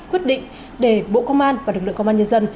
quyết định để bộ công an và lực lượng công an nhân dân